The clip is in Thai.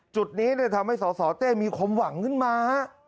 จุดนี้ทำให้สสเต้มีความหวังขึ้นมา